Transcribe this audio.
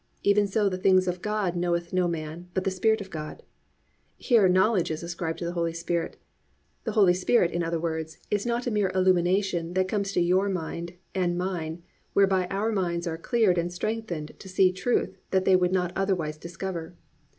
Even so the things of God knoweth no man, but the Spirit of God."+ Here knowledge is ascribed to the Holy Spirit. The Holy Spirit in other words, is not a mere illumination that comes to your mind and mine whereby our minds are cleared and strengthened to see truth that they would not otherwise discover.